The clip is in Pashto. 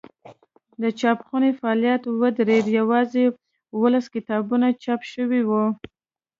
د چاپخونې فعالیت ودرېد یوازې اوولس کتابونه چاپ شوي وو.